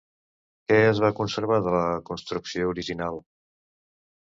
Què es va conservar de la construcció original?